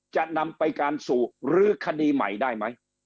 จะนำไปการสู่ลื้อคดีใหม่ได้ไหม